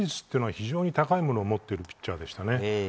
非常に高いものを持っているピッチャーでしたね。